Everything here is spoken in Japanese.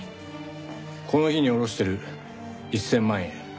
この日に下ろしてる１０００万円